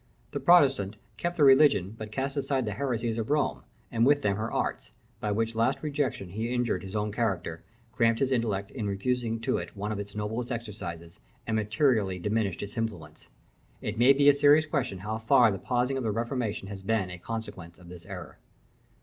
The Protestant kept the religion, but cast aside the heresies of Rome, and with them her arts, by which last rejection he injured his own character, cramped his intellect in refusing to it one of its noblest exercises, and materially diminished his influence. It may be a serious question how far the Pausing of the Reformation has been a consequence of this error.